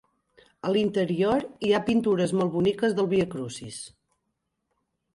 A l'interior hi ha pintures molt boniques del Via Crucis.